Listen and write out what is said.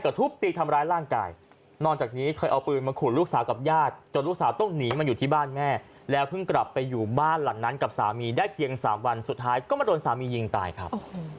เคยเอาปืนมาขุนลูกสาวกับญาติจนลูกสาวต้องหนีมาอยู่ที่บ้านแม่แล้วเพิ่งกลับไปอยู่บ้านหลังนั้นกับสามีได้เกียงสามวันสุดท้ายก็มาโดนสามียิงตายครับ